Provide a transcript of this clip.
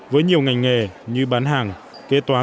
với nhiều ngành nghề như bán hàng kế toán